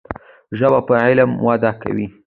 ژبه په علم وده کوي.